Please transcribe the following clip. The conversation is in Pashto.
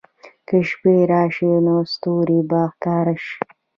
که شپې راشي، نو ستوري به ښکاره شي.